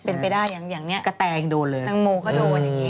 เป็นไปได้อย่างนี้งั้นโมก็โดนอย่างนี้นะคะงั้นโมก็โดน